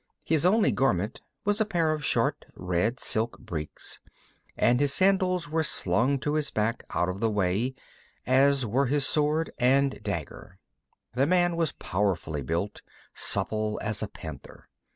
His only garment was a pair of short red silk breeks, and his sandals were slung to his back, out of his way, as were his sword and dagger. The man was powerfully built, supple as a panther.